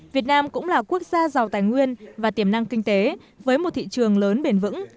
việt nam cũng là quốc gia giàu tài nguyên và tiềm năng kinh tế với một thị trường lớn bền vững